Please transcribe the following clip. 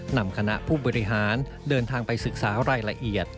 นำคณะผู้บริหารเดินทางไปศึกษารายละเอียด